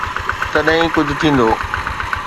تڏهن ئي ڪجهه ٿيندو.